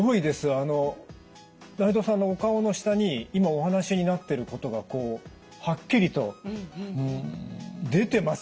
あの内藤さんのお顔の下に今お話しになってることがこうはっきりと出てます